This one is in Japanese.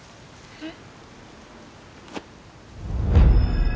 えっ！？